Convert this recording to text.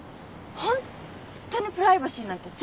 ほんとにプライバシーなんて全然ないのね。